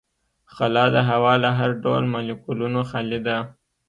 خلا د هوا له هر ډول مالیکولونو خالي ده.